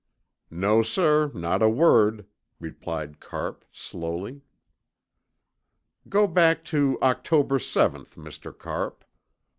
"No, sir, not a word," replied Carpe, slowly. "Go back to October seventh, Mr. Carpe.